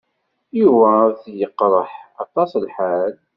Yuba ad t-yeqreḥ aṭas lḥal.